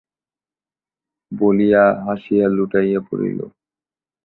বলিয়া হাসিয়া লুটাইয়া পড়িল।